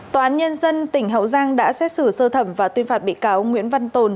tòa án nhân dân tỉnh hậu giang đã xét xử sơ thẩm và tuyên phạt bị cáo nguyễn văn tồn